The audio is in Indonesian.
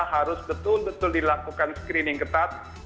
harus betul betul dilakukan screening ketat